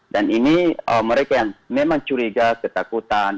dan ini mereka yang memang curiga ketakutan